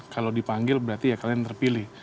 kalau dipanggil berarti ya kalian terpilih